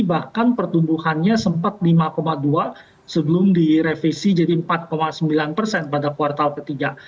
bahkan pertumbuhannya sempat lima dua sebelum direvisi jadi empat sembilan persen pada kuartal ketiga